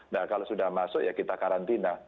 nah kalau sudah masuk ya kita karantina